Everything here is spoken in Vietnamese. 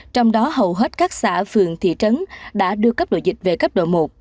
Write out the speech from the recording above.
trong đó hầu hết các xã phường thị trấn đã đưa cấp độ dịch về cấp độ một